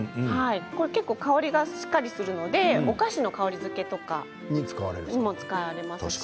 香りがしっかりしているのでお菓子の香りづけとかにも使われています。